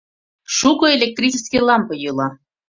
Шуко электрический лампе йӱла.